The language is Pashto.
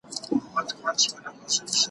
خلاصه خوله کي دوه غاښونه ځلېدلي